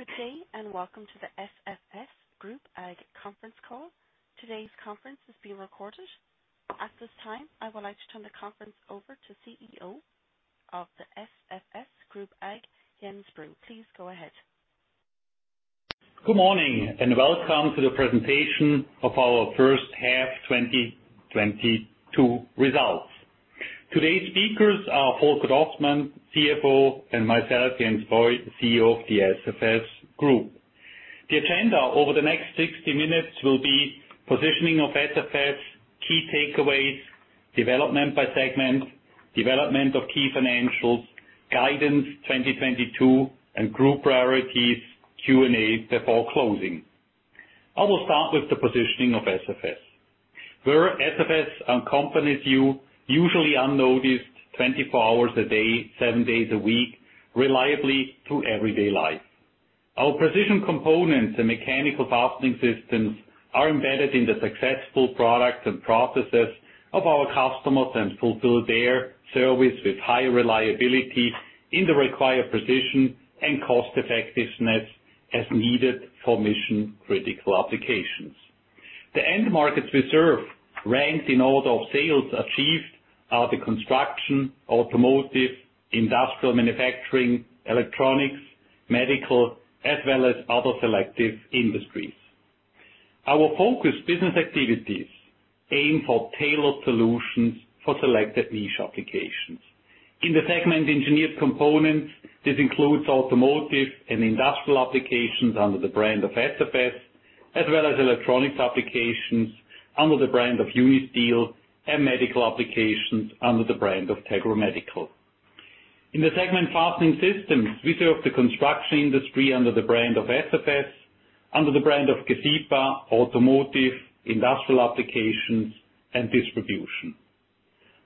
Good day and welcome to the SFS Group AG conference call. Today's conference is being recorded. At this time, I would like to turn the conference over to CEO of the SFS Group AG, Jens Breu. Please go ahead. Good morning, and welcome to the presentation of our first half 2022 results. Today's speakers are Volker Dostmann, CFO, and myself, Jens Breu, CEO of the SFS Group. The agenda over the next 60 minutes will be positioning of SFS, key takeaways, development by segment, development of key financials, guidance 2022, and group priorities, Q&A, before closing. I will start with the positioning of SFS. We're SFS, accompanies you usually unnoticed 24 hours a day, seven days a week, reliably through everyday life. Our precision components and mechanical fastening systems are embedded in the successful products and processes of our customers, and fulfill their service with high reliability in the required precision and cost effectiveness as needed for mission-critical applications. The end markets we serve ranked in order of sales achieved, are the construction, automotive, industrial manufacturing, electronics, medical, as well as other selective industries. Our focused business activities aim for tailored solutions for selected niche applications. In the segment Engineered Components, this includes automotive and industrial applications under the brand of SFS, as well as electronics applications under the brand of Unisteel and medical applications under the brand of Tegra Medical. In the segment Fastening Systems, we serve the construction industry under the brand of SFS, under the brand of Gesipa, Automotive, Industrial Applications, and Distribution.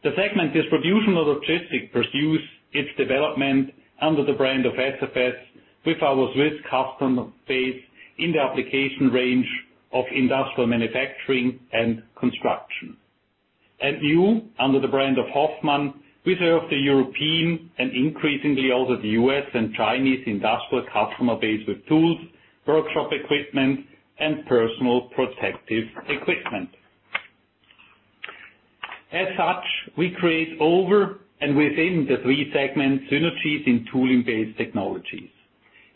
The segment Distribution & Logistics pursues its development under the brand of SFS with our Swiss customer base in the application range of industrial manufacturing and construction. And under the brand of Hoffmann, we serve the European and increasingly also the U.S. and Chinese industrial customer base with tools, workshop equipment, and personal protective equipment. As such, we create across and within the three segments synergies in tooling-based technologies.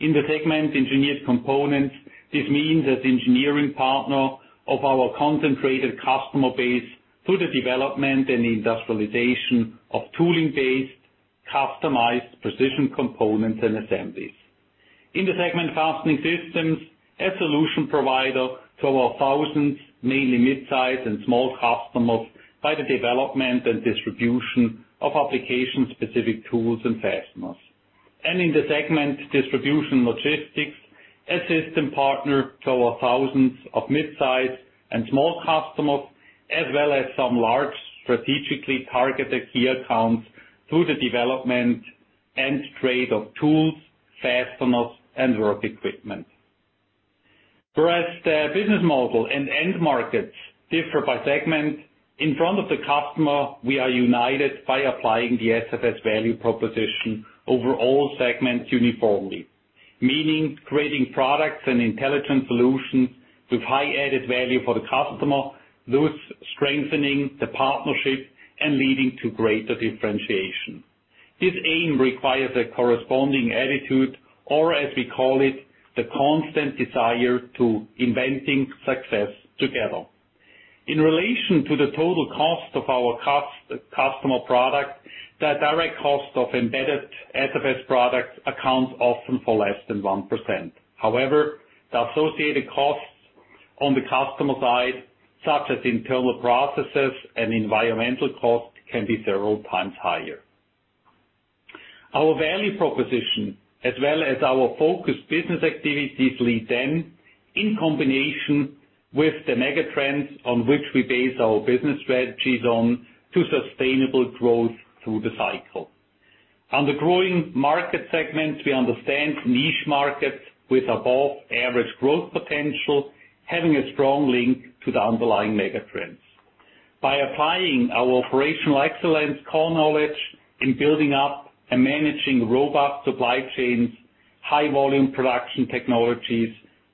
In the segment Engineered Components, this means as engineering partner of our concentrated customer base through the development and industrialization of tooling-based customized precision components and assemblies. In the segment Fastening Systems, a solution provider to over thousands, mainly mid-size and small customers by the development and distribution of application-specific tools and fasteners. In the segment Distribution & Logistics, a system partner to over thousands of mid-size and small customers, as well as some large strategically targeted key accounts through the development and trade of tools, fasteners, and work equipment. Whereas the business model and end markets differ by segment, in front of the customer, we are united by applying the SFS value proposition over all segments uniformly. Meaning, creating products and intelligent solutions with high added value for the customer, thus strengthening the partnership and leading to greater differentiation. This aim requires a corresponding attitude, or as we call it, the constant desire to inventing success together. In relation to the total cost of our customer product, the direct cost of embedded SFS products accounts often for less than 1%. However, the associated costs on the customer side, such as internal processes and environmental costs, can be several times higher. Our value proposition, as well as our focused business activities lead then in combination with the mega trends on which we base our business strategies on to sustainable growth through the cycle. Under growing market segments, we understand niche markets with above average growth potential, having a strong link to the underlying mega trends. By applying our operational excellence core knowledge in building up and managing robust supply chains, high volume production technologies,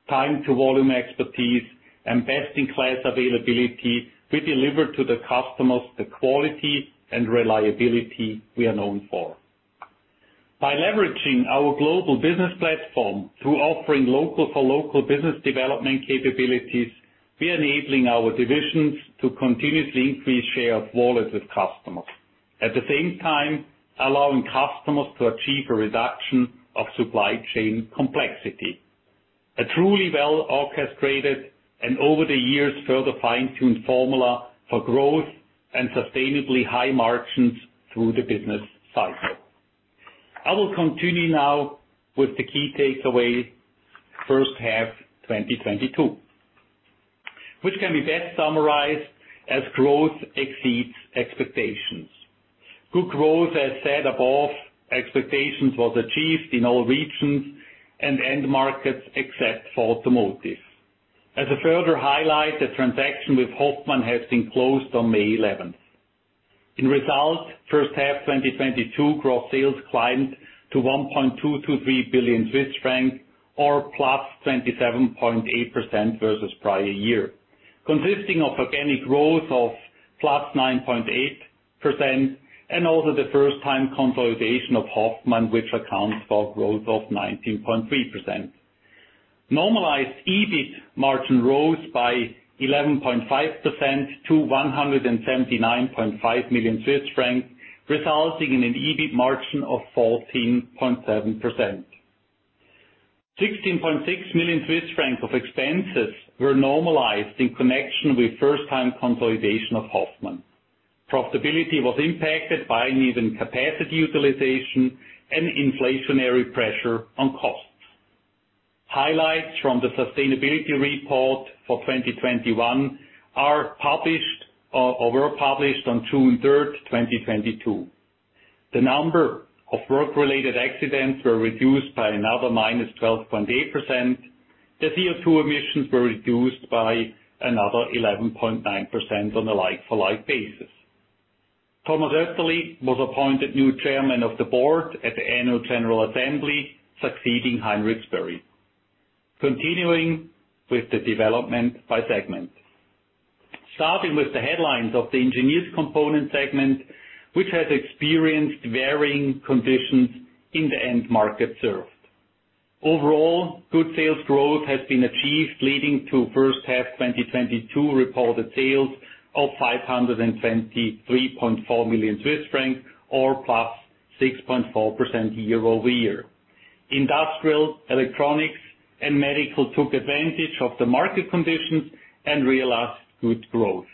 time to volume expertise, and best in class availability, we deliver to the customers the quality and reliability we are known for. By leveraging our global business platform through offering local for local business development capabilities, we are enabling our divisions to continuously increase share of wallet with customers. At the same time, allowing customers to achieve a reduction of supply chain complexity. A truly well-orchestrated and over the years further fine-tuned formula for growth and sustainably high margins through the business cycle. I will continue now with the key takeaways, first half 2022, which can be best summarized as growth exceeds expectations. Good growth, as said above, expectations was achieved in all regions and end markets except for automotive. As a further highlight, the transaction with Hoffmann has been closed on May 11. As a result, first half 2022 gross sales climbed to 1.223 billion Swiss francs or +27.8% versus prior year, consisting of organic growth of +9.8% and also the first-time consolidation of Hoffmann, which accounts for growth of 19.3%. Normalized EBIT rose by 11.5% to 179.5 million Swiss francs, resulting in an EBIT margin of 14.7%. 16.6 million Swiss francs of expenses were normalized in connection with first- time consolidation of Hoffmann. Profitability was impacted by uneven capacity utilization and inflationary pressure on costs. Highlights from the sustainability report for 2021 are published, or were published on June 3, 2022. The number of work-related accidents were reduced by another -12.8%. The CO₂ emissions were reduced by another 11.9% on a like-for-like basis. Thomas Oertli was appointed new chairman of the board at the Annual General Assembly, succeeding Heinrich Spoerry. Continuing with the development by segment. Starting with the headlines of the Engineered Components segment, which has experienced varying conditions in the end market served. Overall, good sales growth has been achieved, leading to first half 2022 reported sales of 523.4 million Swiss francs or +6.4% year-over-year. Industrial, electronics, and medical took advantage of the market conditions and realized good growth.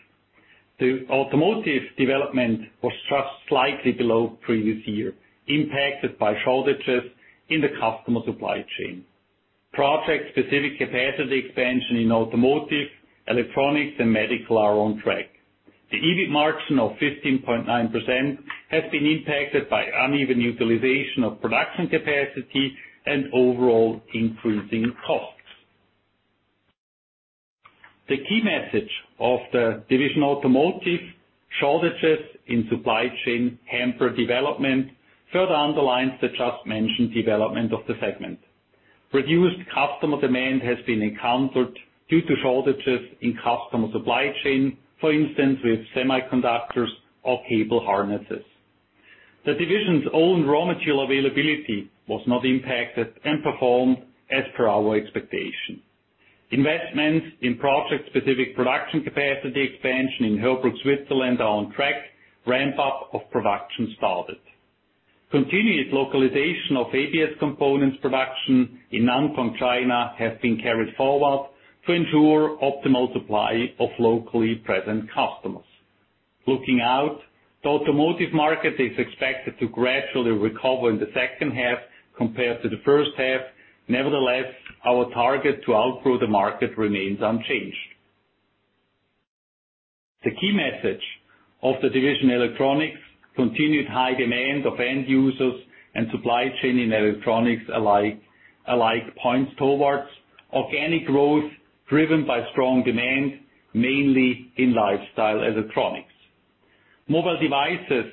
The automotive development was just slightly below previous year, impacted by shortages in the customer supply chain. Project-specific capacity expansion in automotive, electronics, and medical are on track. The EBIT margin of 15.9% has been impacted by uneven utilization of production capacity and overall increasing costs. The key message of the Automotive division, shortages in supply chain hamper development, further underlines the just mentioned development of the segment. Reduced customer demand has been encountered due to shortages in customer supply chain, for instance, with semiconductors or cable harnesses. The division's own raw material availability was not impacted and performed as per our expectation. Investments in project-specific production capacity expansion in Heerbrugg, Switzerland, are on track. Ramp-up of production started. Continued localization of ABS components production in Nantong, China, have been carried forward to ensure optimal supply of locally present customers. Looking out, the automotive market is expected to gradually recover in the second half compared to the first half. Nevertheless, our target to outgrow the market remains unchanged. The key message of the division electronics, continued high demand of end users and supply chain in electronics alike points towards organic growth driven by strong demand, mainly in lifestyle electronics. Mobile devices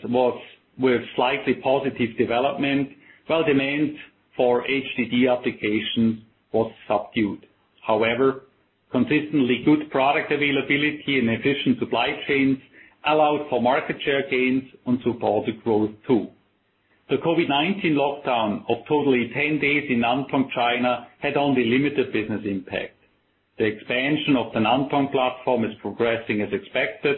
with slightly positive development, while demand for HDD applications was subdued. However, consistently good product availability and efficient supply chains allowed for market share gains and supported growth too. The COVID-19 lockdown of totally 10 days in Nantong, China, had only limited business impact. The expansion of the Nantong platform is progressing as expected.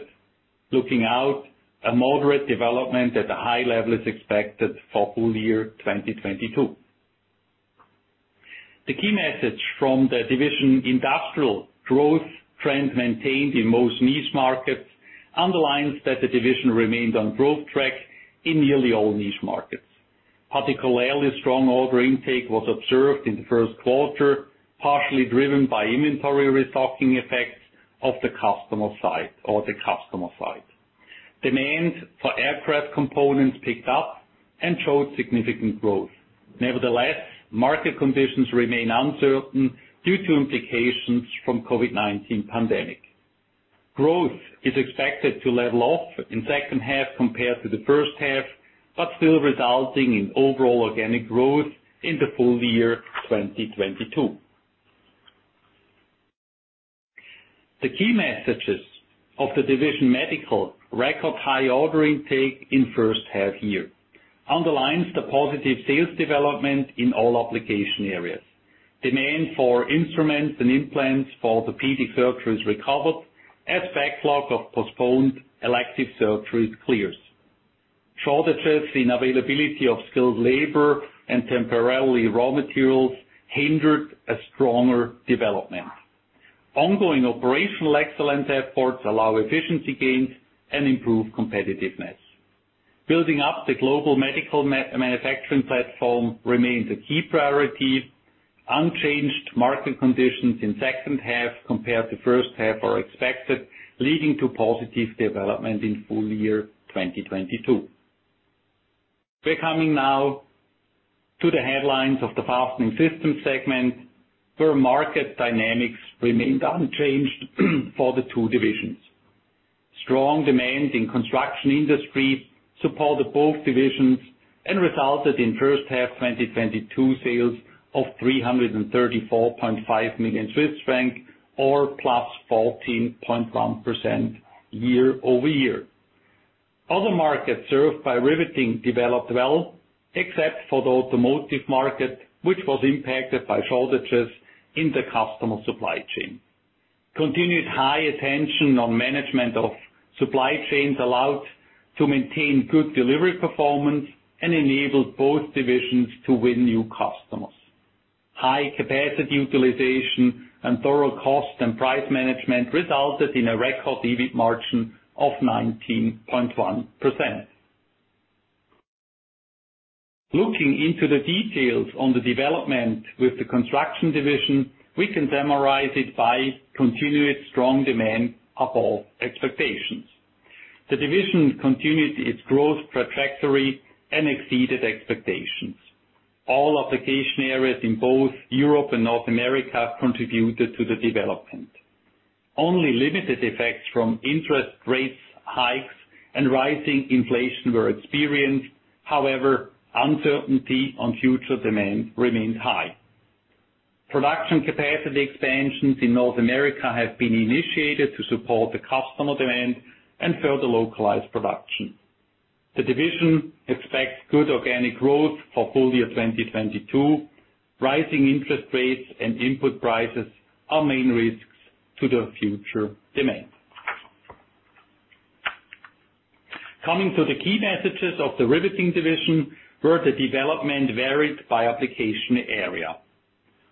Looking out, a moderate development at a high level is expected for full year 2022. The key message from the division industrial, growth trend maintained in most niche markets, underlines that the division remained on growth track in nearly all niche markets. Particularly strong order intake was observed in the first quarter, partially driven by inventory restocking effects of the customer side. Demand for aircraft components picked up and showed significant growth. Nevertheless, market conditions remain uncertain due to implications from COVID-19 pandemic. Growth is expected to level off in second half compared to the first half, but still resulting in overall organic growth in the full year 2022. The key messages of the Medical division, record high order intake in first half year, underlines the positive sales development in all application areas. Demand for instruments and implants for orthopedic surgeries recovered as backlog of postponed elective surgeries clears. Shortages in availability of skilled labor and temporary raw materials hindered a stronger development. Ongoing operational excellence efforts allow efficiency gains and improve competitiveness. Building up the global medical manufacturing platform remains a key priority. Unchanged market conditions in second half compared to first half are expected, leading to positive development in full year 2022. We're coming now to the headlines of the Fastening Systems segment, where market dynamics remained unchanged for the two divisions. Strong demand in construction industry supported both divisions and resulted in first half 2022 sales of 334.5 million Swiss franc or +14.1% year-over-year. Other markets served by riveting developed well, except for the automotive market, which was impacted by shortages in the customer supply chain. Continued high attention on management of supply chains allowed to maintain good delivery performance and enabled both divisions to win new customers. High capacity utilization and thorough cost and price management resulted in a record EBIT margin of 19.1%. Looking into the details on the development with the construction division, we can summarize it by continued strong demand above expectations. The division continued its growth trajectory and exceeded expectations. All application areas in both Europe and North America contributed to the development. Only limited effects from interest rate hikes and rising inflation were experienced. However, uncertainty on future demand remained high. Production capacity expansions in North America have been initiated to support the customer demand and further localize production. The division expects good organic growth for full year 2022. Rising interest rates and input prices are main risks to the future demand. Coming to the key messages of the riveting division, where the development varied by application area.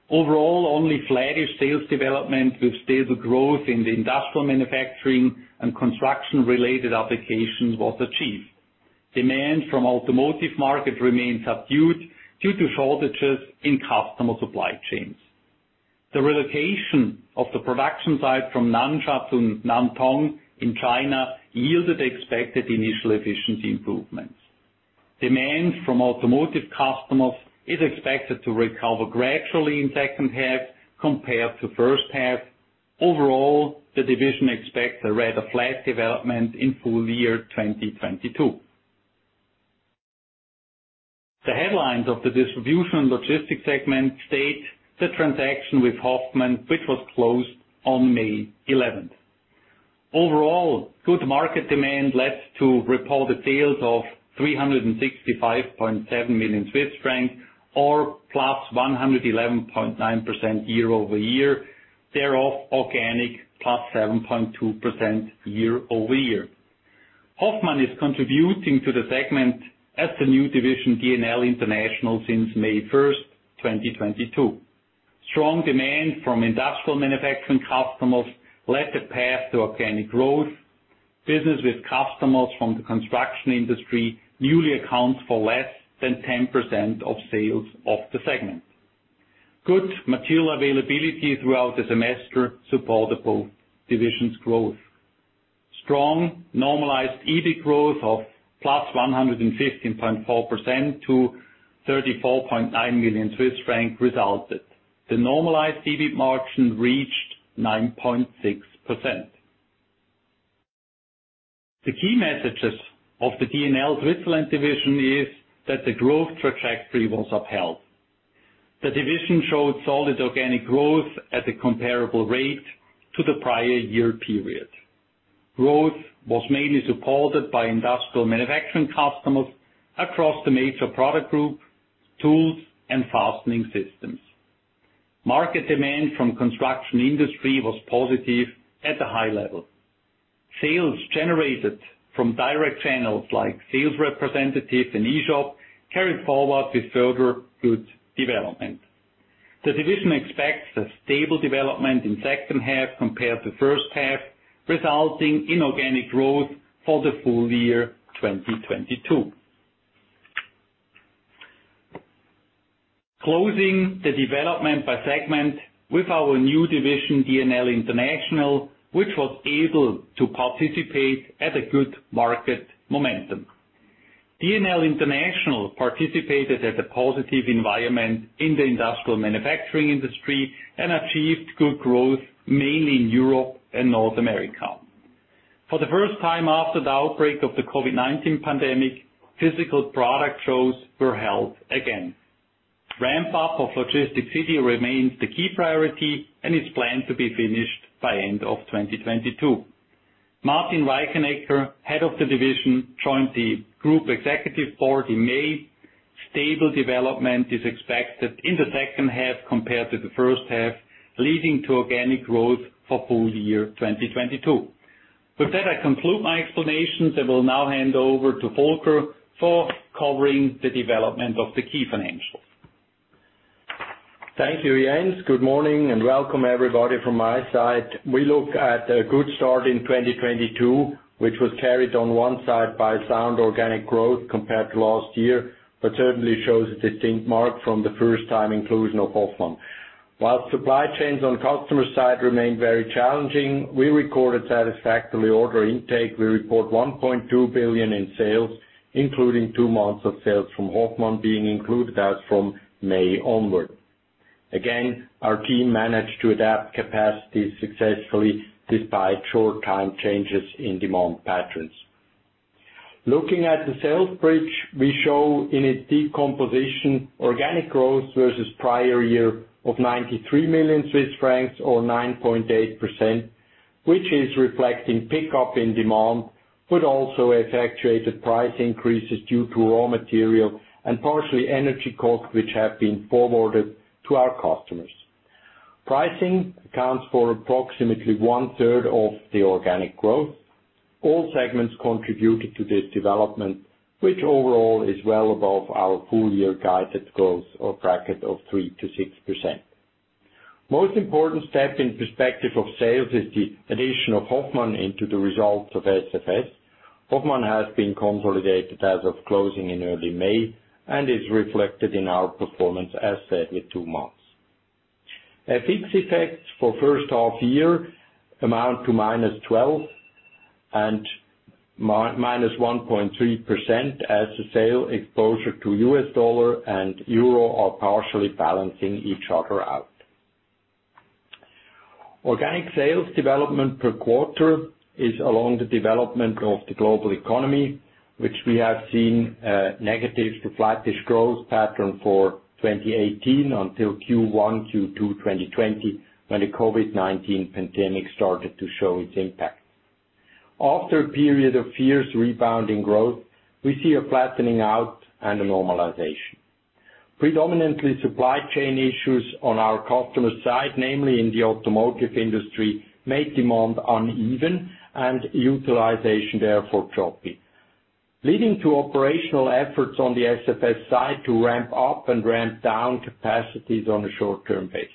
Overall, only flattish sales development with stable growth in the industrial manufacturing and construction related applications was achieved. Demand from automotive market remained subdued due to shortages in customer supply chains. The relocation of the production site from Nansha to Nantong in China yielded expected initial efficiency improvements. Demand from automotive customers is expected to recover gradually in second half compared to first half. Overall, the division expects a rather flat development in full-year 2022. The headlines of the Distribution & Logistics segment state the transaction with Hoffmann, which was closed on May eleventh. Overall, good market demand led to reported sales of 365.7 million Swiss franc or +111.9% year-over-year. Thereof, organic +7.2% year-over-year. Hoffmann is contributing to the segment as the new division, D&L International, since May first, 2022. Strong demand from industrial manufacturing customers led the path to organic growth. Business with customers from the construction industry newly accounts for less than 10% of sales of the segment. Good material availability throughout the semester supported both divisions' growth. Strong normalized EBIT growth of +115.4% to 34.9 million Swiss franc resulted. The normalized EBIT margin reached 9.6%. The key messages of the D&L Switzerland division is that the growth trajectory was upheld. The division showed solid organic growth at a comparable rate to the prior year period. Growth was mainly supported by industrial manufacturing customers across the major product group, tools and fastening systems. Market demand from construction industry was positive at a high level. Sales generated from direct channels, like sales representatives and eShop, carried forward with further good development. The division expects a stable development in second half compared to first half, resulting in organic growth for the full year 2022. Closing the development by segment with our new division, D&L International, which was able to participate at a good market momentum. D&L International participated at a positive environment in the industrial manufacturing industry and achieved good growth, mainly in Europe and North America. For the first time after the outbreak of the COVID-19 pandemic, physical product shows were held again. Ramp up of LogisticCity remains the key priority and is planned to be finished by end of 2022. Martin Reichenecker, Head of the Division, joined the Group Executive Board in May. Stable development is expected in the second half compared to the first half, leading to organic growth for full year 2022. With that, I conclude my explanations, and will now hand over to Volker for covering the development of the key financials. Thank you, Jens. Good morning, and welcome everybody from my side. We look at a good start in 2022, which was carried on one side by sound organic growth compared to last year, but certainly shows a distinct mark from the first time inclusion of Hoffmann. While supply chains on customer side remain very challenging, we recorded satisfactory order intake. We report 1.2 billion in sales, including two months of sales from Hoffmann being included as from May onward. Again, our team managed to adapt capacity successfully despite short-term changes in demand patterns. Looking at the sales bridge, we show in its decomposition organic growth versus prior year of 93 million Swiss francs, or 9.8%, which is reflecting pickup in demand, but also effectuated price increases due to raw material and partially energy costs, which have been forwarded to our customers. Pricing accounts for approximately 1/3 of the organic growth. All segments contributed to this development, which overall is well above our full-year guided growth bracket of 3%-6%. Most important step from the perspective of sales is the addition of Hoffmann into the results of SFS. Hoffmann has been consolidated as of closing in early May and is reflected in our performance as said with two months. FX effects for first half-year amount to -1.2 and -1.3% as the sales exposure to U.S. dollar and euro are partially balancing each other out. Organic sales development per quarter is along the development of the global economy, which we have seen, negative to flattish growth pattern for 2018 until Q1, Q2 2020, when the COVID-19 pandemic started to show its impact. After a period of fierce rebounding growth, we see a flattening out and a normalization. Predominantly, supply chain issues on our customer side, namely in the automotive industry, made demand uneven and utilization therefore choppy, leading to operational efforts on the SFS side to ramp up and ramp down capacities on a short-term basis.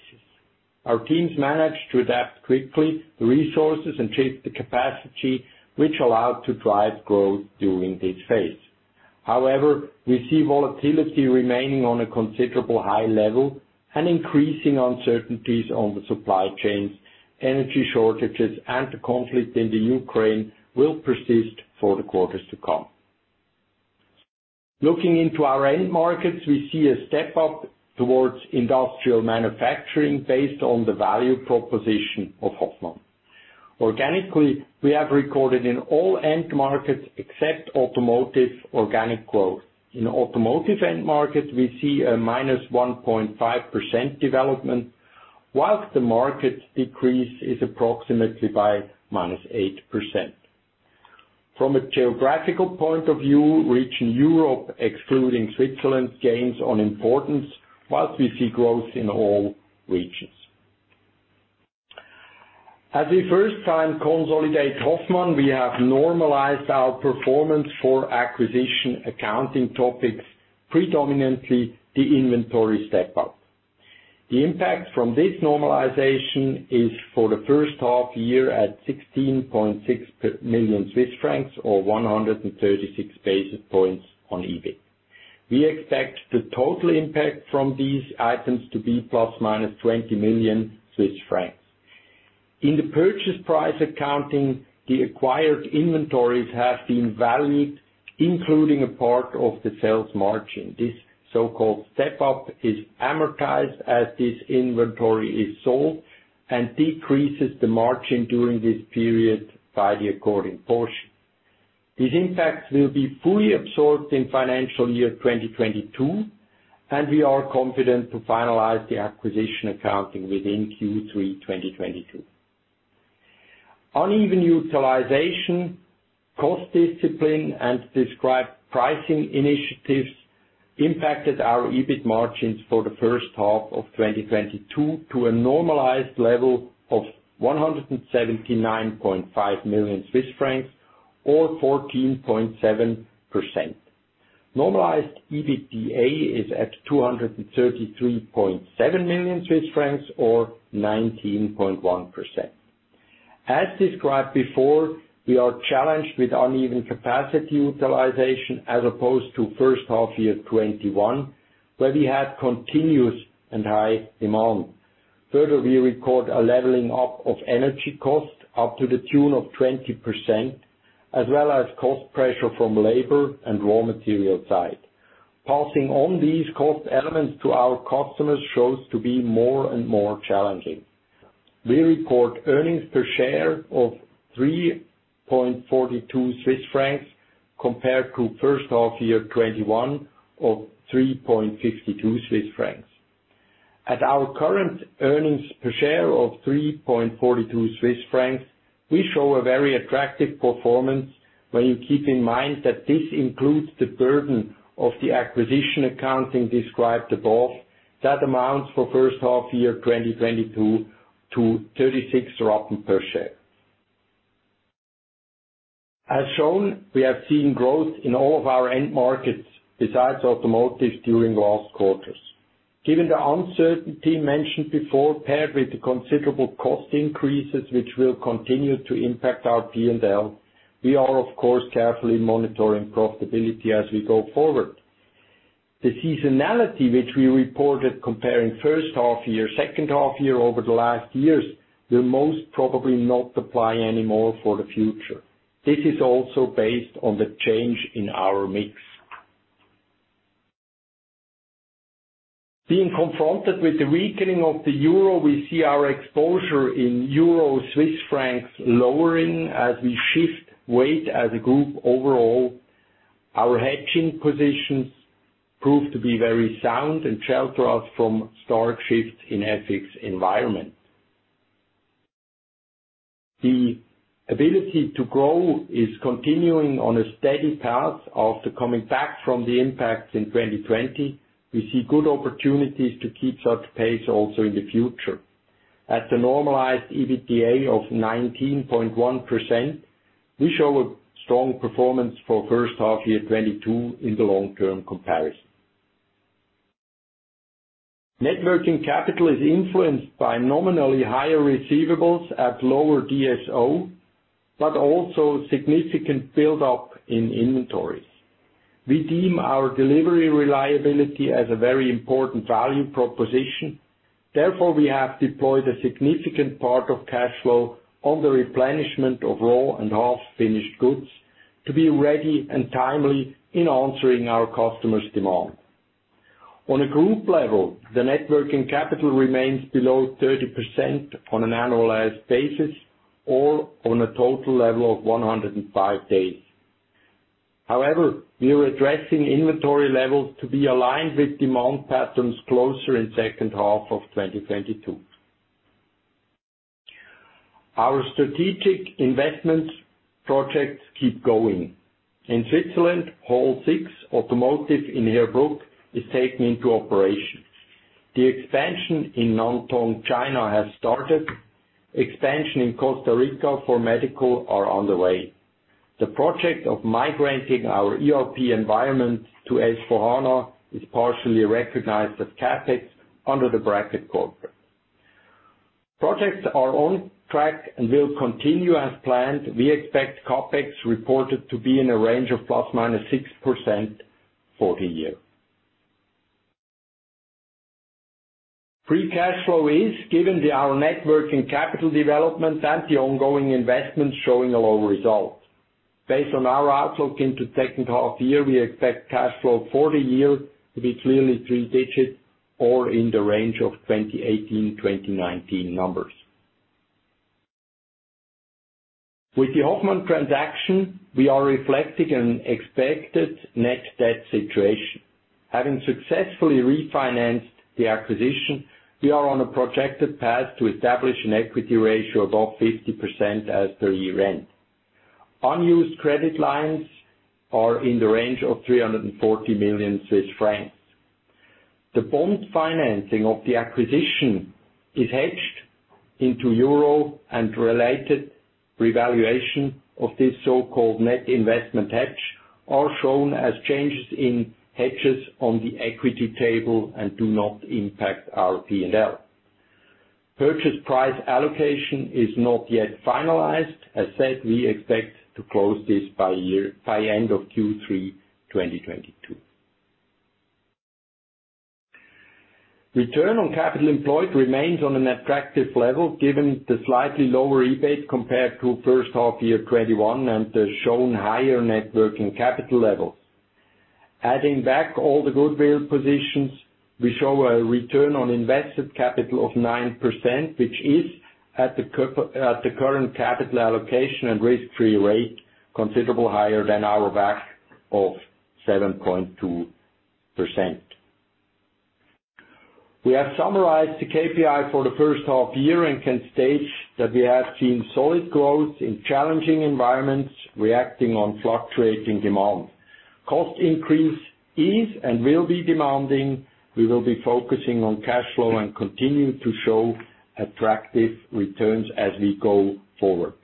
Our teams managed to adapt quickly the resources and change the capacity which allowed to drive growth during this phase. However, we see volatility remaining on a considerable high level and increasing uncertainties on the supply chains, energy shortages, and the conflict in the Ukraine will persist for the quarters to come. Looking into our end markets, we see a step up towards industrial manufacturing based on the value proposition of Hoffmann. Organically, we have recorded in all end markets, except automotive, organic growth. In automotive end market, we see a -1.5% development, while the market decrease is approximately by -8%. From a geographical point of view, region Europe, excluding Switzerland, gains in importance, while we see growth in all regions. As we first time consolidate Hoffmann, we have normalized our performance for acquisition accounting topics, predominantly the inventory step-up. The impact from this normalization is for the first half year at 16.6 million Swiss francs or 136 basis points on EBIT. We expect the total impact from these items to be ±20 million Swiss francs. In the purchase price allocation, the acquired inventories have been valued, including a part of the sales margin. This so-called step-up is amortized as this inventory is sold and decreases the margin during this period by the corresponding portion. These impacts will be fully absorbed in financial year 2022, and we are confident to finalize the acquisition accounting within Q3 2022. Uneven utilization, cost discipline, and described pricing initiatives impacted our EBIT margins for the first half of 2022 to a normalized level of 179.5 million Swiss francs or 14.7%. Normalized EBITDA is at 233.7 million Swiss francs or 19.1%. As described before, we are challenged with uneven capacity utilization as opposed to first half year 2021, where we had continuous and high demand. Further, we record a leveling up of energy costs up to the tune of 20%, as well as cost pressure from labor and raw material side. Passing on these cost elements to our customers shows to be more and more challenging. We report earnings per share of 3.42 Swiss francs compared to first half year 2021 of 3.52 Swiss francs. At our current earnings per share of 3.42 Swiss francs, we show a very attractive performance when you keep in mind that this includes the burden of the acquisition accounting described above. That amounts for first half year 2022 to 0.36 per share. As shown, we have seen growth in all of our end markets besides automotive during last quarter. Given the uncertainty mentioned before, paired with the considerable cost increases which will continue to impact our P&L. We are, of course, carefully monitoring profitability as we go forward. The seasonality which we reported comparing first half year, second half year over the last years, will most probably not apply anymore for the future. This is also based on the change in our mix. Being confronted with the weakening of the euro, we see our exposure in Euro-Swiss francs lowering as we shift weight as a group overall. Our hedging positions prove to be very sound and shelter us from stark shifts in FX environment. The ability to grow is continuing on a steady path. After coming back from the impacts in 2020, we see good opportunities to keep such pace also in the future. At a normalized EBITDA of 19.1%, we show a strong performance for first half year 2022 in the long-term comparison. Net working capital is influenced by nominally higher receivables at lower DSO, but also significant build-up in inventories. We deem our delivery reliability as a very important value proposition. Therefore, we have deployed a significant part of cash flow on the replenishment of raw and half-finished goods to be ready and timely in answering our customers' demand. On a group level, the net working capital remains below 30% on an annualized basis, or on a total level of 105 days. However, we are addressing inventory levels to be aligned with demand patterns closer in second half of 2022. Our strategic investment projects keep going. In Switzerland, Hall six, Automotive in Heerbrugg is taken into operation. The expansion in Nantong, China has started. Expansion in Costa Rica for medical are on the way. The project of migrating our ERP environment to S/4HANA is partially recognized as CapEx under the bracket corporate. Projects are on track and will continue as planned. We expect CapEx reported to be in a range of ±6% for the year. Free cash flow is, given our net working capital development and the ongoing investments, showing a low result. Based on our outlook into second half year, we expect cash flow for the year to be clearly three digits, or in the range of 2018, 2019 numbers. With the Hoffmann transaction, we are reflecting an expected net debt situation. Having successfully refinanced the acquisition, we are on a projected path to establish an equity ratio above 50% as per year-end. Unused credit lines are in the range of 340 million Swiss francs. The bond financing of the acquisition is hedged into euro, and related revaluation of this so-called net investment hedge are shown as changes in hedges on the equity table and do not impact our P&L. Purchase price allocation is not yet finalized. As said, we expect to close this by end of Q3, 2022. Return on capital employed remains on an attractive level, given the slightly lower EBIT compared to first half year 2021 and the shown higher net working capital levels. Adding back all the goodwill positions, we show a return on invested capital of 9%, which is, at the current capital allocation and risk-free rate, considerably higher than our WACC of 7.2%. We have summarized the KPI for the first half year and can state that we have seen solid growth in challenging environments, reacting on fluctuating demand. Cost increase is and will be demanding. We will be focusing on cash flow and continue to show attractive returns as we go forward.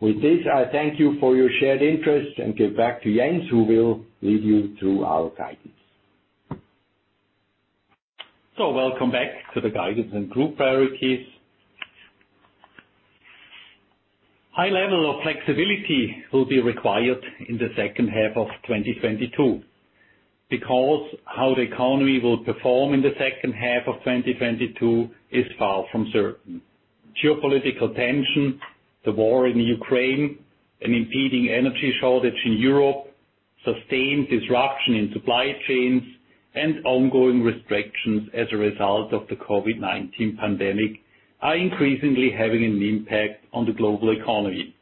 With this, I thank you for your shared interest and give back to Jens, who will lead you through our guidance. Welcome back to the guidance and group priorities. High level of flexibility will be required in the second half of 2022, because how the economy will perform in the second half of 2022 is far from certain. Geopolitical tension, the war in Ukraine, an impending energy shortage in Europe, sustained disruption in supply chains, and ongoing restrictions as a result of the COVID-19 pandemic are increasingly having an impact on the global economy.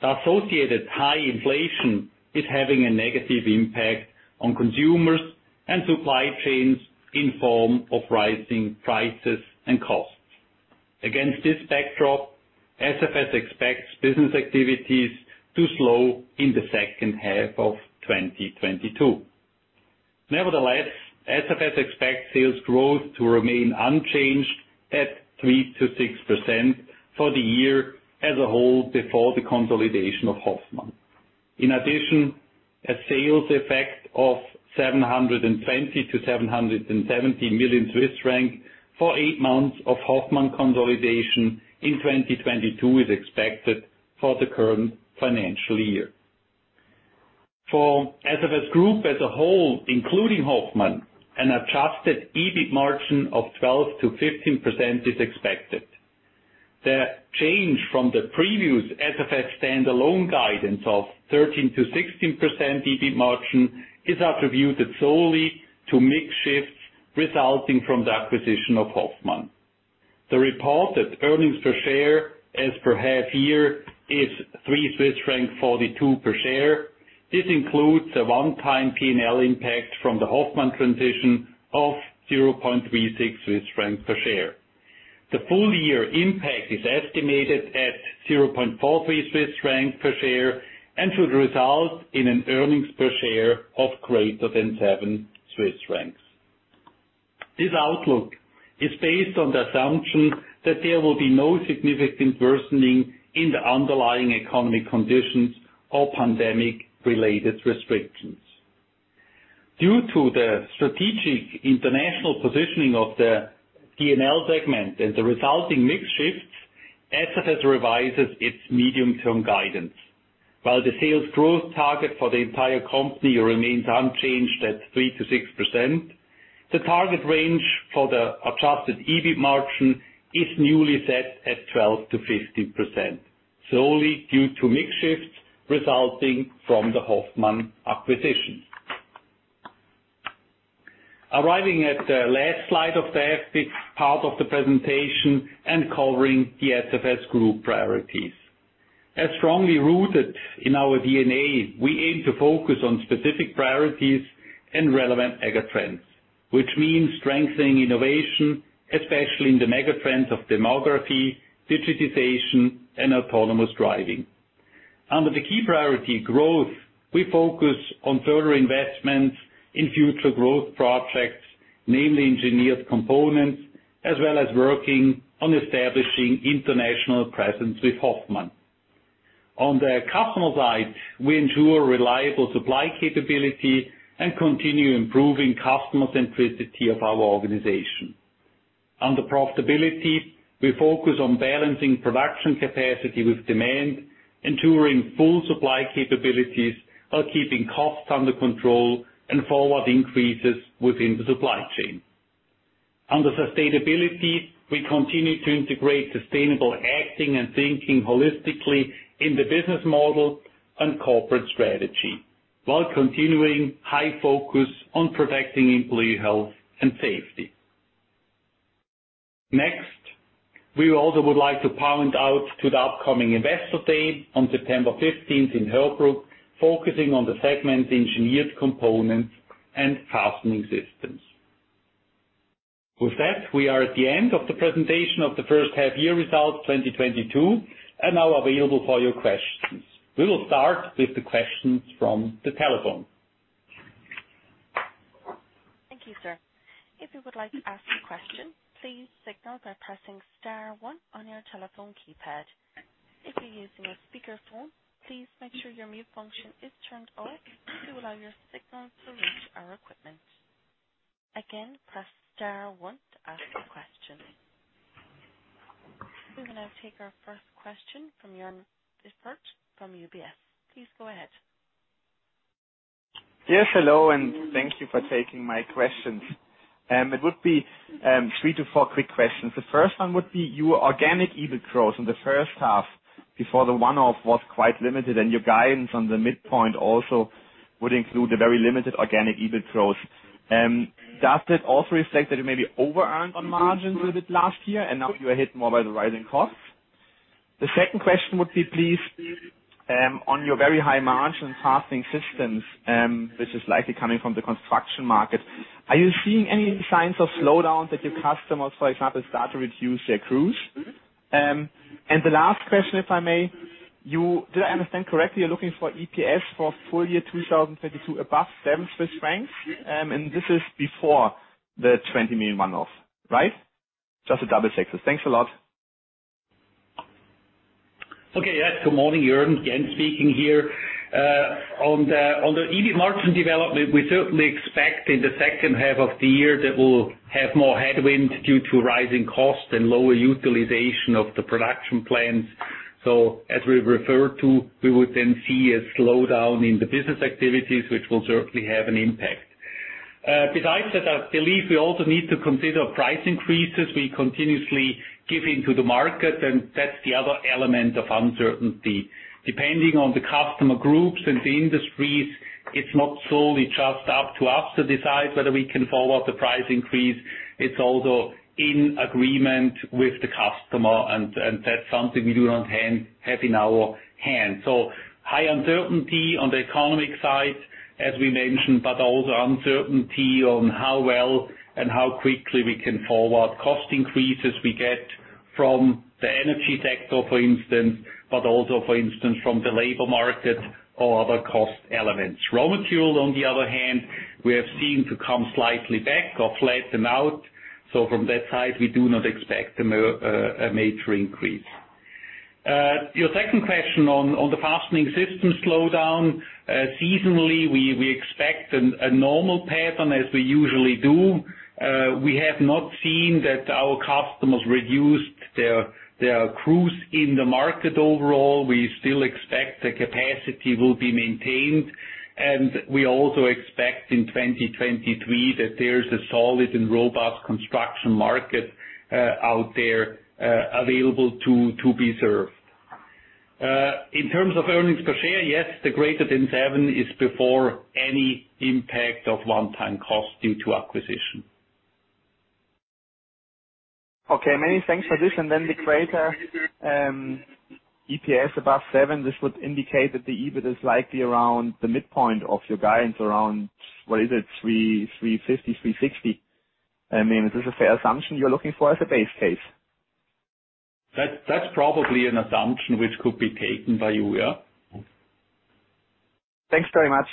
The associated high inflation is having a negative impact on consumers and supply chains in form of rising prices and costs. Against this backdrop, SFS expects business activities to slow in the second half of 2022. Nevertheless, SFS expects sales growth to remain unchanged at 3%-6% for the year as a whole before the consolidation of Hoffmann. In addition, a sales effect of 720 million-770 million Swiss franc for eight months of Hoffmann consolidation in 2022 is expected for the current financial year. For SFS Group as a whole, including Hoffmann, an adjusted EBIT margin of 12%-15% is expected. The change from the previous SFS standalone guidance of 13%-16% EBIT margin is attributed solely to mix shifts resulting from the acquisition of Hoffmann. The reported earnings per share as per half year is 3.42 Swiss francs per share. This includes a one-time P&L impact from the Hoffmann transition of 0.36 Swiss francs per share. The full year impact is estimated at 0.43 Swiss francs per share, and should result in an earnings per share of greater than 7 Swiss francs. This outlook is based on the assumption that there will be no significant worsening in the underlying economic conditions or pandemic-related restrictions. Due to the strategic international positioning of the D&L segment and the resulting mix shifts, SFS revises its medium-term guidance. While the sales growth target for the entire company remains unchanged at 3%-6%, the target range for the adjusted EBIT margin is newly set at 12%-15%, solely due to mix shifts resulting from the Hoffmann acquisition. Arriving at the last slide of the SFS part of the presentation and covering the SFS Group priorities. As strongly rooted in our D&A, we aim to focus on specific priorities and relevant mega trends, which means strengthening innovation, especially in the mega trends of demography, digitization, and autonomous driving. Under the key priority growth, we focus on further investments in future growth projects, namely Engineered Components, as well as working on establishing international presence with Hoffmann. On the customer side, we ensure reliable supply capability and continue improving customer centricity of our organization. Under profitability, we focus on balancing production capacity with demand, ensuring full supply capabilities while keeping costs under control and forward increases within the supply chain. Under sustainability, we continue to integrate sustainable acting and thinking holistically in the business model and corporate strategy, while continuing high focus on protecting employee health and safety. Next, we also would like to point out to the upcoming Investor Day on September fifteenth in Heerbrugg, focusing on the segment Engineered Components and Fastening Systems. With that, we are at the end of the presentation of the first half-year results 2022, and now available for your questions. We will start with the questions from the telephone. Thank you, sir. If you would like to ask a question, please signal by pressing star one on your telephone keypad. If you're using a speakerphone, please make sure your mute function is turned off to allow your signal to reach our equipment. Again, press star one to ask a question. We will now take our first question from Jörn Iffert from UBS. Please go ahead. Yes, hello, and thank you for taking my questions. It would be three to four quick questions. The first one would be your organic EBIT growth in the first half, before the one-off was quite limited, and your guidance on the midpoint also would include a very limited organic EBIT growth. Does that also reflect that you maybe overearned on margins a little bit last year, and now you are hit more by the rising costs? The second question would be, please, on your very high margin Fastening Systems, which is likely coming from the construction market, are you seeing any signs of slowdown that your customers, for example, start to reduce their crews? The last question, if I may, did I understand correctly, you're looking for EPS for full year 2022 above 7 Swiss francs, and this is before the 20 million one-off, right? Just to double-check this. Thanks a lot. Good morning, Joern. Jens speaking here. On the EBIT margin development, we certainly expect in the second half of the year that we'll have more headwind due to rising costs and lower utilization of the production plants. As we referred to, we would then see a slowdown in the business activities, which will certainly have an impact. Besides that, I believe we also need to consider price increases we continuously giving to the market, and that's the other element of uncertainty. Depending on the customer groups and the industries, it's not solely just up to us to decide whether we can follow the price increase. It's also in agreement with the customer, and that's something we do not have in our hand. High uncertainty on the economic side, as we mentioned, but also uncertainty on how well and how quickly we can forward cost increases we get from the energy sector, for instance, but also, for instance, from the labor market or other cost elements. Raw material, on the other hand, we have seen to come slightly back or flatten out. From that side, we do not expect a major increase. Your second question on the Fastening Systems slowdown. Seasonally, we expect a normal pattern as we usually do. We have not seen that our customers reduced their crews in the market overall. We still expect the capacity will be maintained, and we also expect in 2023 that there's a solid and robust construction market out there available to be served. In terms of earnings per share, yes, the greater than 7 is before any impact of one-time costs due to acquisition. Okay, many thanks for this. The greater EPS above 7, this would indicate that the EBIT is likely around the midpoint of your guidance around, what is it? 330, 350, 360. I mean, is this a fair assumption you're looking for as a base case? That's probably an assumption which could be taken by you, yeah. Thanks very much.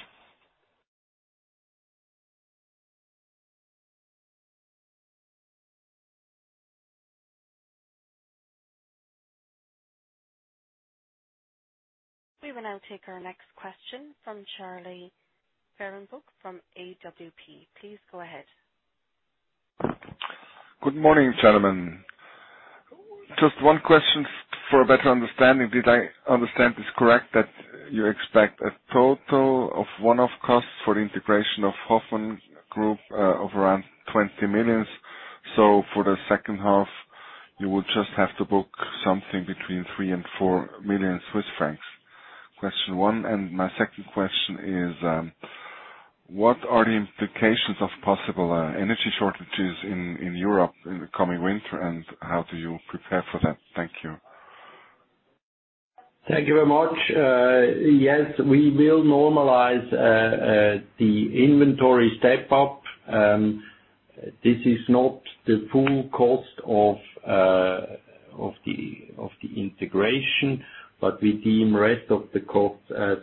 We will now take our next question from Christian Bader from AWP. Please go ahead. Good morning, gentlemen. Just one question for a better understanding. Did I understand this correct that you expect a total of one-off costs for the integration of Hoffmann Group of around 20 million? So for the second half, you will just have to book something between 3 million and 4 million Swiss francs? Question one. My second question is, what are the implications of possible energy shortages in Europe in the coming winter, and how do you prepare for that? Thank you. Thank you very much. Yes, we will normalize the inventory step-up. This is not the full cost of the integration, but we deem rest of the costs as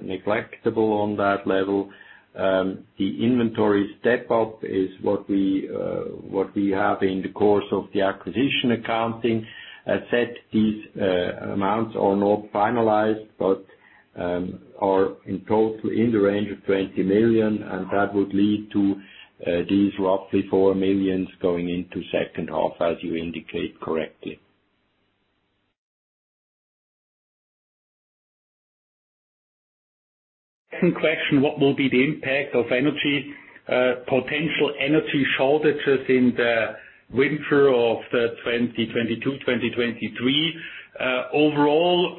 negligible on that level. The inventory step-up is what we have in the course of the acquisition accounting. As said, these amounts are not finalized, but are in total in the range of 20 million, and that would lead to these roughly 4 million going into second half, as you indicate correctly. Second question, what will be the impact of potential energy shortages in the winter of 2022-2023. Overall,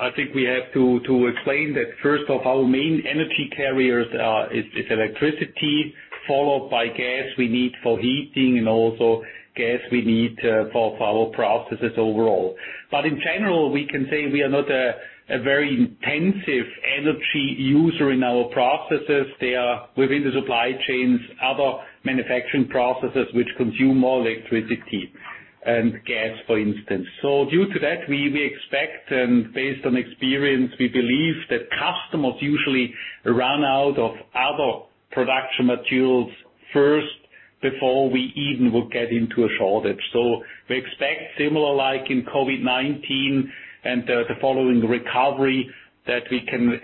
I think we have to explain that first of our main energy carriers is electricity followed by gas we need for heating and also gas we need for our processes overall. In general, we can say we are not a very intensive energy user in our processes. There are within the supply chains other manufacturing processes which consume more electricity and gas, for instance. Due to that, we expect and based on experience, we believe that customers usually run out of other production materials first before we even will get into a shortage. We expect similar like in COVID-19 and the following recovery that we can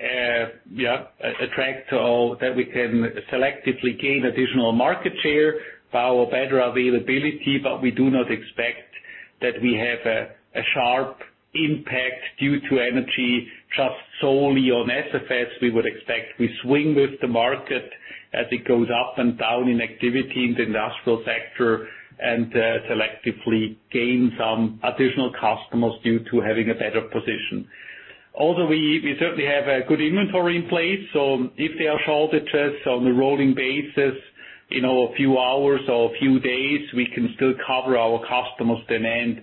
attract or that we can selectively gain additional market share by our better availability. We do not expect that we have a sharp impact due to energy just solely on SFS. We would expect we swing with the market as it goes up and down in activity in the industrial sector and selectively gain some additional customers due to having a better position. Also, we certainly have a good inventory in place, so if there are shortages on a rolling basis, you know, a few hours or a few days, we can still cover our customers' demand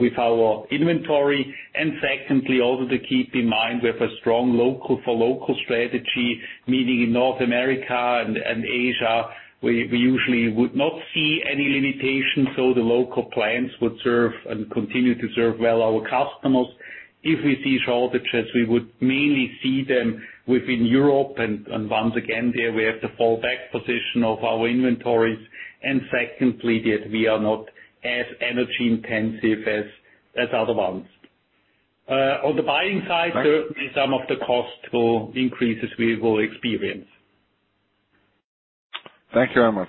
with our inventory. Secondly, also to keep in mind, we have a strong local for local strategy, meaning in North America and Asia, we usually would not see any limitations. The local plants would serve and continue to serve well our customers. If we see shortages, we would mainly see them within Europe. Once again, there we have the fallback position of our inventories. Secondly, that we are not as energy intensive as other ones. On the buying side, certainly some of the costs will increase as we will experience. Thank you very much.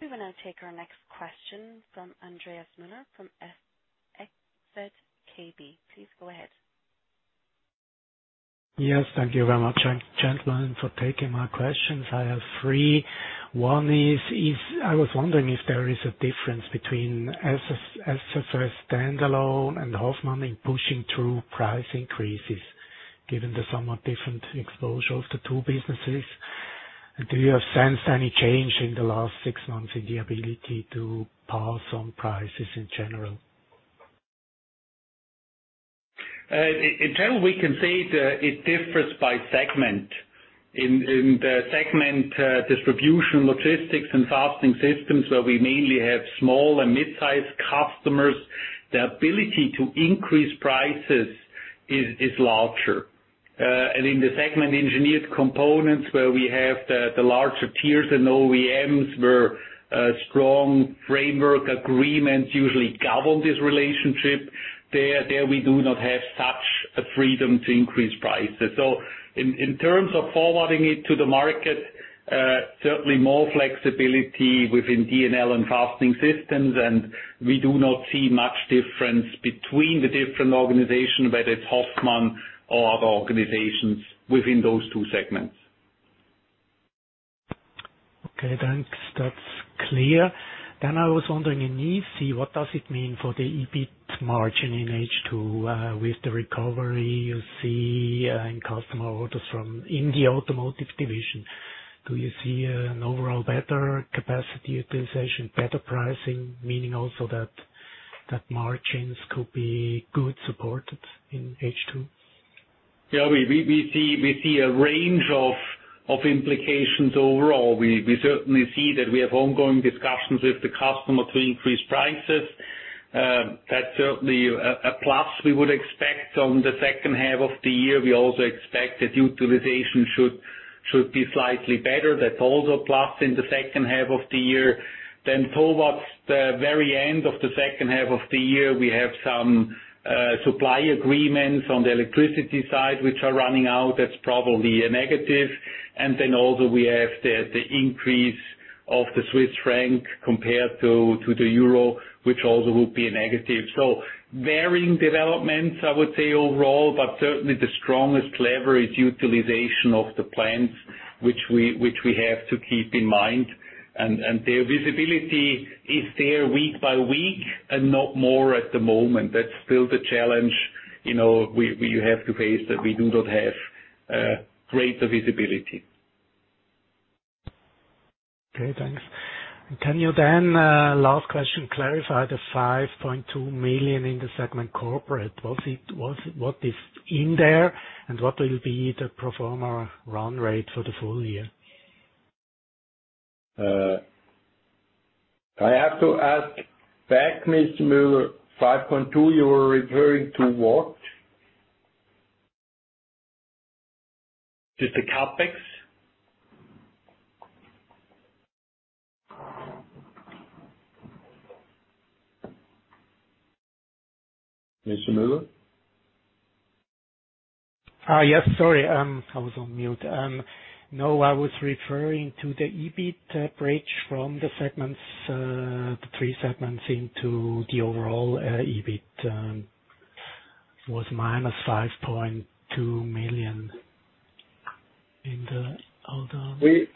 We will now take our next question from Andreas Müller from ZKB. Please go ahead. Yes, thank you very much, gentlemen, for taking my questions. I have three. One is, I was wondering if there is a difference between SFS standalone and Hoffmann in pushing through price increases given the somewhat different exposure of the two businesses. Have you sensed any change in the last six months in the ability to pass on prices in general? In general, we can say that it differs by segment. In the segment Distribution & Logistics and Fastening Systems where we mainly have small and mid-size customers, the ability to increase prices is larger. In the segment Engineered Components where we have the larger tiers and OEMs where strong framework agreements usually govern this relationship, there we do not have such a freedom to increase prices. In terms of forwarding it to the market, certainly more flexibility within D&L and Fastening Systems, and we do not see much difference between the different organizations, whether it's Hoffmann or other organizations within those two segments. Okay, thanks. That's clear. I was wondering in EC, what does it mean for the EBIT margin in H2, with the recovery you see in customer orders from the automotive division? Do you see an overall better capacity utilization, better pricing, meaning also that margins could be well supported in H2? Yeah. We see a range of implications overall. We certainly see that we have ongoing discussions with the customer to increase prices. That's certainly a plus we would expect on the second half of the year. We also expect that utilization should be slightly better. That's also a plus in the second half of the year. Towards the very end of the second half of the year, we have some supply agreements on the electricity side, which are running out. That's probably a negative. Also we have the increase of the Swiss franc compared to the euro, which also will be a negative. Varying developments, I would say overall, but certainly the strongest lever is utilization of the plants, which we have to keep in mind. Their visibility is there week by week and not more at the moment. That's still the challenge, you know, we have to face that we do not have greater visibility. Okay, thanks. Can you then, last question, clarify the 5.2 million in the corporate segment. What is in there and what will be the pro forma run rate for the full year? I have to ask back, Mr. Müller, 5.2, you are referring to what? Just the CapEx. Mr. Müller? Yes. Sorry, I was on mute. No, I was referring to the EBIT bridge from the segments, the three segments into the overall EBIT. It was minus 5.2 million in the other. We-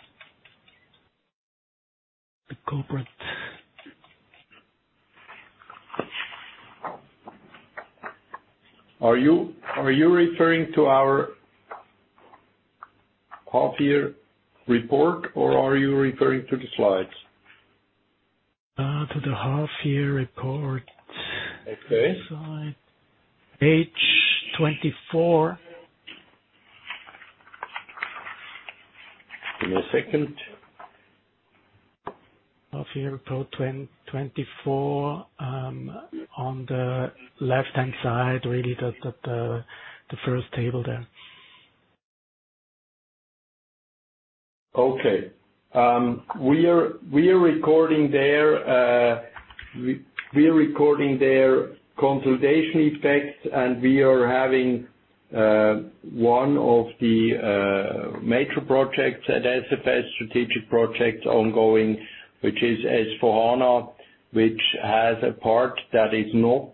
The corporate. Are you referring to our half-year report or are you referring to the slides? To the half-year report. Okay. Sorry. Page 24. Give me a second. Half-year report, 2024, on the left-hand side, really the first table there. Okay. We are recording their consolidation effects, and we are having one of the major strategic projects at SFS ongoing, which is S/4HANA, which has a part that is not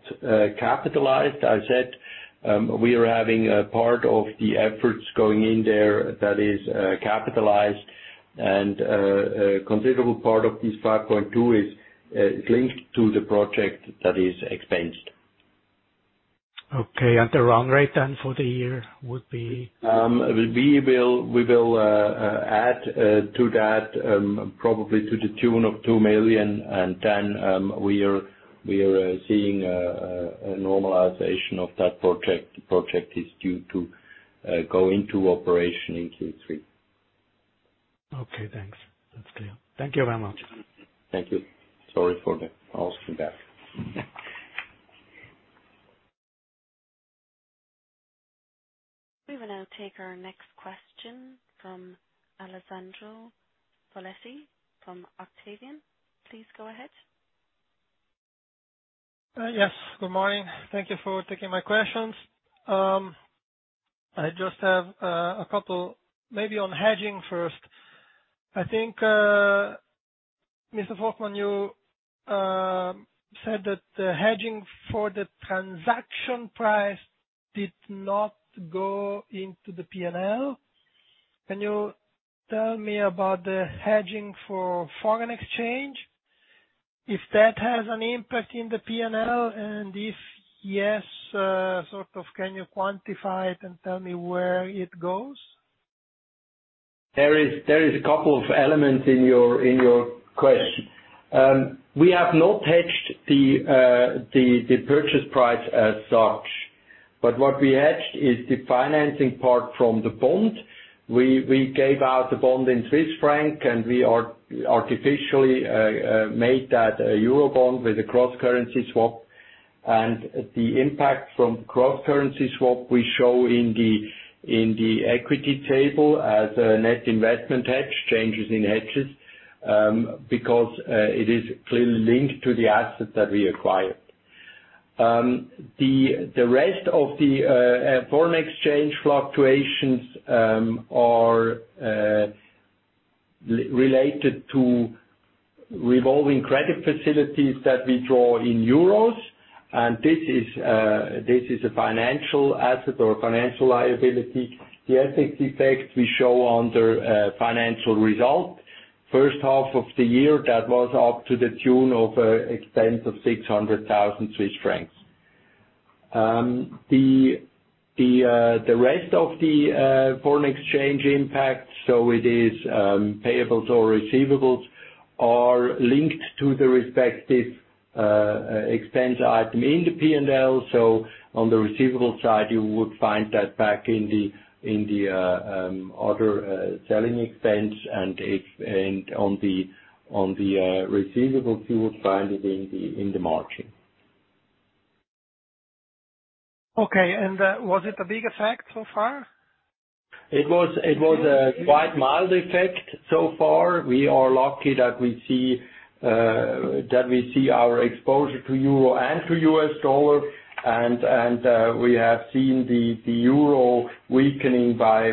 capitalized. As I said, we are having a part of the efforts going in there that is capitalized and a considerable part of this 5.2 is linked to the project that is expensed. Okay. The run rate then for the year would be? We will add to that probably to the tune of 2 million, and then we are seeing a normalization of that project. The project is due to go into operation in Q3. Okay, thanks. That's clear. Thank you very much. Thank you. Sorry for the asking back. We will now take our next question from Alessandro Foletti from Octavian. Please go ahead. Yes. Good morning. Thank you for taking my questions. I just have a couple, maybe on hedging first. I think Mr. Dmann, you said that the hedging for the transaction price did not go into the P&L. Can you tell me about the hedging for foreign exchange, if that has an impact on the P&L, and if yes, sort of can you quantify it and tell me where it goes? There is a couple of elements in your question. We have not hedged the purchase price as such. What we hedged is the financing part from the bond. We gave out the bond in Swiss franc, and we are artificially made that a euro bond with a cross-currency swap. The impact from cross-currency swap we show in the equity table as a net investment hedge, changes in hedges, because it is clearly linked to the assets that we acquired. The rest of the foreign exchange fluctuations are related to revolving credit facilities that we draw in euros. This is a financial asset or financial liability. The FX effect we show under financial results. First half of the year, that was up to the tune of expense of 600,000 Swiss francs. The rest of the foreign exchange impact, payables or receivables are linked to the respective expense item in the P&L. On the receivable side, you would find that back in the other selling expense and on the receivables, you will find it in the margin. Okay. Was it a big effect so far? It was a quite mild effect so far. We are lucky that we see our exposure to euro and to U.S. dollar. We have seen the euro weakening by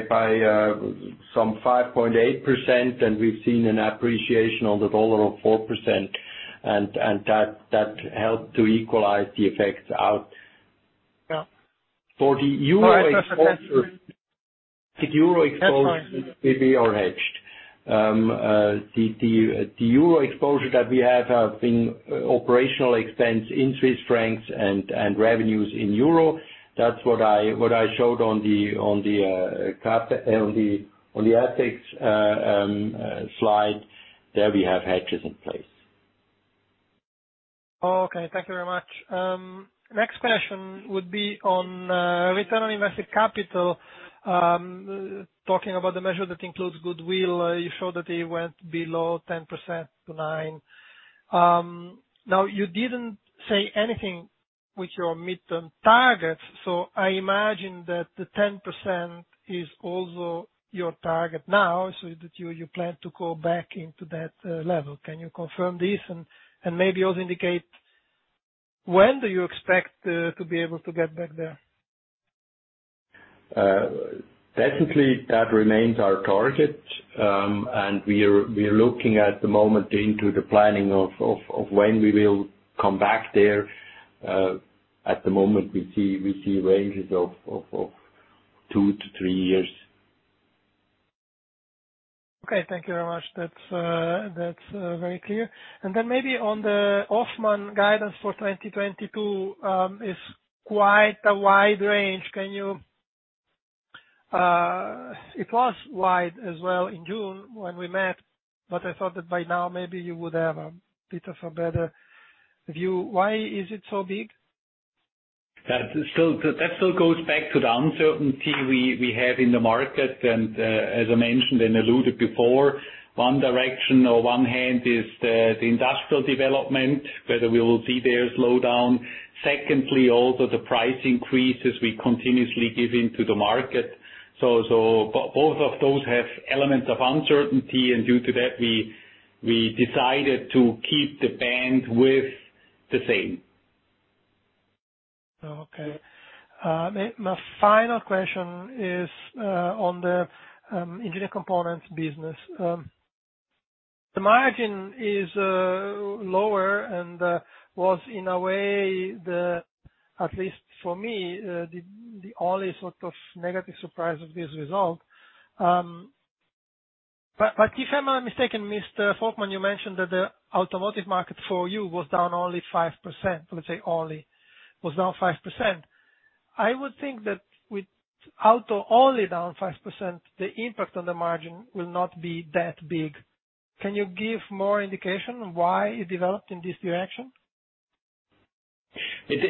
some 5.8%, and we've seen an appreciation on the dollar of 4%. That helped to equalize the effects out. Yeah. For the euro exposure. Sorry, just a second. The euro exposure. That's fine. We are hedged. The euro exposure that we have been operational expense in Swiss francs and revenues in euro. That's what I showed on the graph, on the exhibits slide. There we have hedges in place. Okay, thank you very much. The next question would be on return on invested capital. Talking about the measure that includes goodwill, you showed that it went below 10%-9%. Now you didn't say anything with your midterm targets, so I imagine that the 10% is also your target now, so that you plan to go back into that level. Can you confirm this? Maybe also indicate when do you expect to be able to get back there? Definitely, that remains our target. We are looking at the moment into the planning of when we will come back there. At the moment, we see ranges of two to three years. Okay, thank you very much. That's very clear. Maybe on the Hoffmann guidance for 2022 is quite a wide range. It was wide as well in June when we met, but I thought that by now maybe you would have a bit of a better view. Why is it so big? That still goes back to the uncertainty we have in the market. As I mentioned and alluded before, one direction or one hand is the industrial development, whether we will see there a slowdown. Secondly, also the price increases we continuously give into the market. Both of those have elements of uncertainty. Due to that, we decided to keep the bandwidth the same. Okay. My final question is on the Engineered Components business. The margin is lower and was in a way, at least for me, the only sort of negative surprise of this result. If I'm not mistaken, Mr. Dostmann, you mentioned that the automotive market for you was down only 5%. I would think that with auto only down 5%, the impact on the margin will not be that big. Can you give more indication why it developed in this direction? We have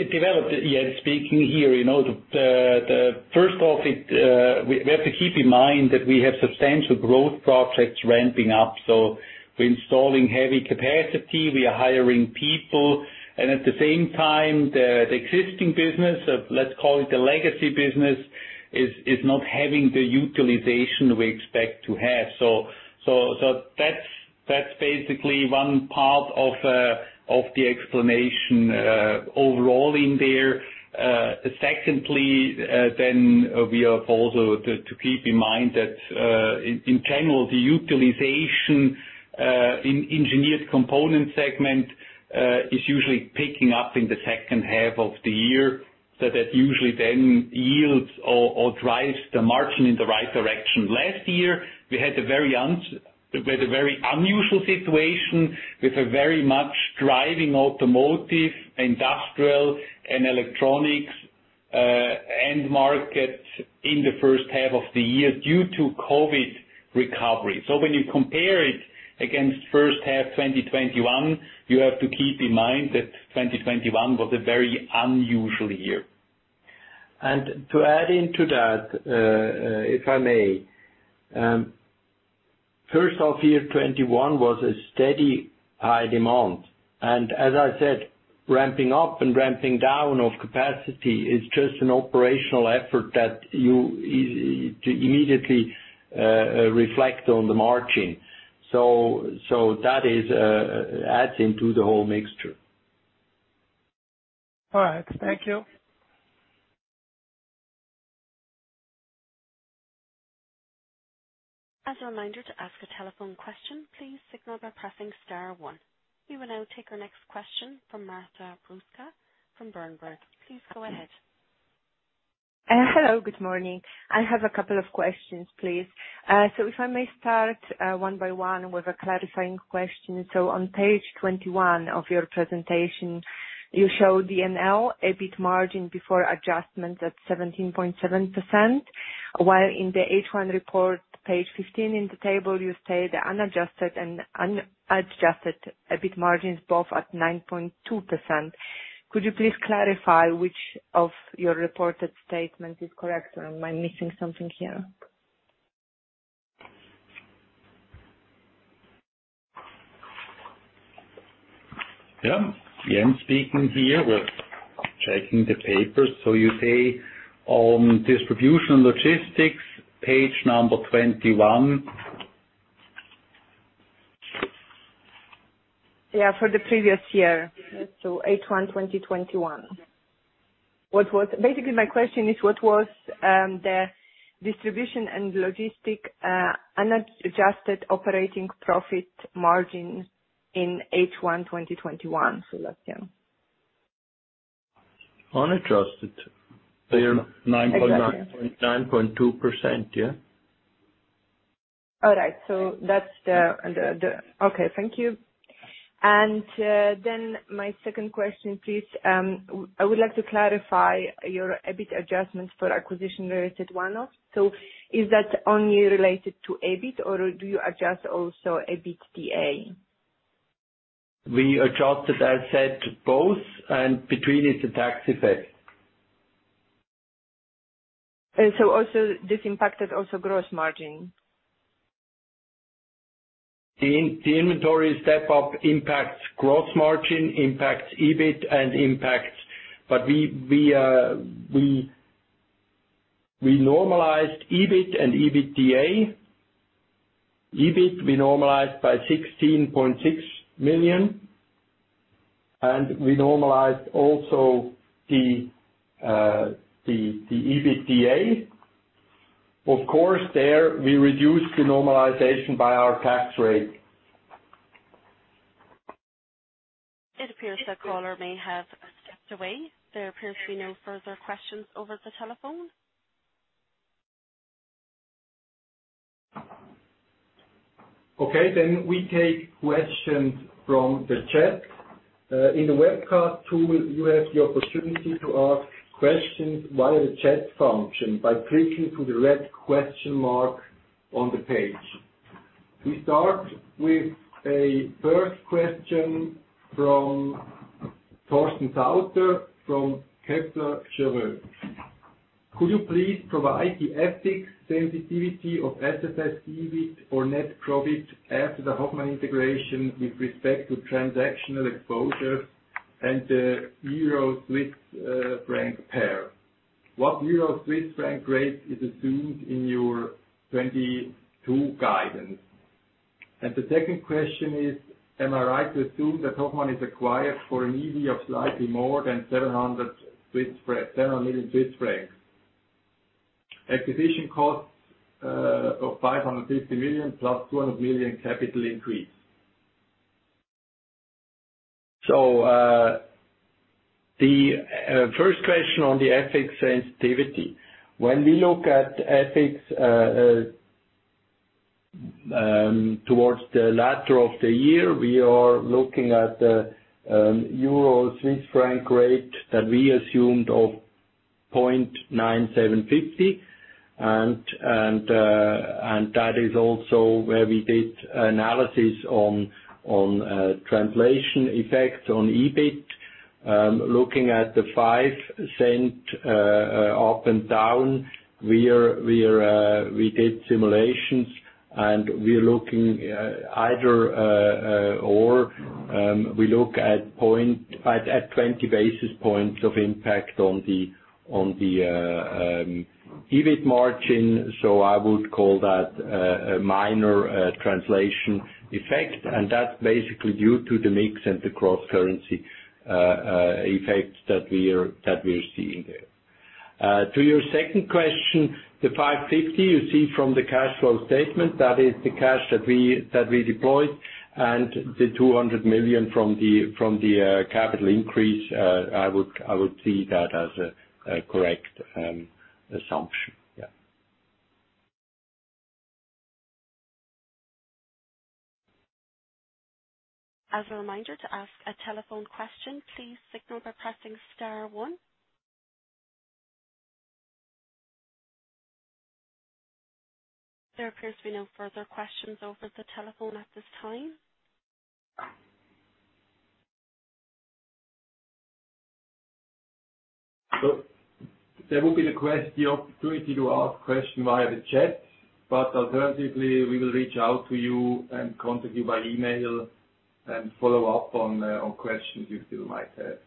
to keep in mind that we have substantial growth projects ramping up, so we're installing heavy capacity, we are hiring people. At the same time, the existing business, let's call it the legacy business, is not having the utilization we expect to have. That's basically one part of the explanation overall in there. Secondly, we have also to keep in mind that in general, the utilization in Engineered Components segment is usually picking up in the second half of the year. That usually then yields or drives the margin in the right direction. Last year, we had a very unusual situation with a very much driving automotive, industrial, and electronics end market in the first half of the year due to COVID recovery. When you compare it against first half 2021, you have to keep in mind that 2021 was a very unusual year. To add into that, first half year 2021 was a steady high demand. As I said, ramping up and ramping down of capacity is just an operational effort that you have to immediately reflect on the margin. That adds into the whole mixture. All right. Thank you. As a reminder, to ask a telephone question, please signal by pressing star one. We will now take our next question from Marta Bruska from Berenberg. Please go ahead. Hello. Good morning. I have a couple of questions, please. If I may start, one by one with a clarifying question. On page 21 of your presentation, you show the NL, EBIT margin before adjustments at 17.7%, while in the H1 report, page 15 in the table, you state the unadjusted and unadjusted EBIT margins both at 9.2%. Could you please clarify which of your reported statement is correct, or am I missing something here? Yeah. Jan speaking here. We're checking the papers. You say on Distribution & Logistics, page number 21. Yeah, for the previous year. H1 2021. Basically, my question is what was the Distribution & Logistics unadjusted operating profit margin in H1 2021? That, yeah. Unadjusted? They are 9.9- Exactly. 9.2%. Yeah. All right. That's the. Okay. Thank you. Then my second question, please. I would like to clarify your EBIT adjustments for acquisition-related one-off. Is that only related to EBIT or do you adjust also EBITDA? We adjusted, as said, both, and between is the tax effect. This also impacted gross margin. The inventory step-up impacts gross margin, EBIT, and. We normalized EBIT and EBITDA. EBIT we normalized by 16.6 million, and we normalized also the EBITDA. Of course, there we reduced the normalization by our tax rate. It appears the caller may have stepped away. There appears to be no further questions over the telephone. Okay, we take questions from the chat. In the webcast tool, you have the opportunity to ask questions via the chat function by clicking to the red question mark on the page. We start with a first question from Torsten Sauter from Kepler Cheuvreux. Could you please provide the FX sensitivity of SFS EBIT or net profit after the Hoffmann integration with respect to transactional exposure and the Euro-Swiss franc pair? What Euro-Swiss franc rate is assumed in your 2022 guidance? And the second question is, am I right to assume that Hoffmann is acquired for an EV of slightly more than 700 million Swiss francs? Acquisition costs of 550 million plus 200 million capital increase. The first question on the FX sensitivity. When we look at FX towards the latter half of the year, we are looking at the Euro-Swiss franc rate that we assumed of 0.9750. That is also where we did the analysis on translation effects on EBIT. Looking at the 0.5 Up and down, we did simulations, and we look at 20 basis points of impact on the EBIT margin. I would call that a minor translation effect. That's basically due to the mix and the cross-currency effects that we're seeing there. To your second question, the 550 million you see from the cash flow statement, that is the cash that we deployed and the 200 million from the capital increase. I would see that as a correct assumption. Yeah. As a reminder, to ask a telephone question, please signal by pressing star one. There appears to be no further questions over the telephone at this time. There will be the opportunity to ask question via the chat, but alternatively, we will reach out to you and contact you by email and follow up on questions you still might have.